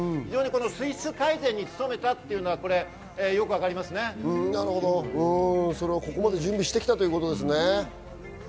水質改善に努めたというのはよくここまで準備してきたということですね。